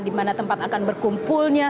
di mana tempat akan berkumpulnya